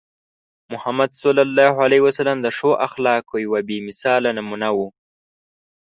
محمد صلى الله عليه وسلم د ښو اخلاقو یوه بې مثاله نمونه وو.